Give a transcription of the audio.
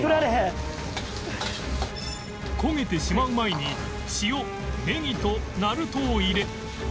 焦げてしまう前に塩ネギとなるとを入れ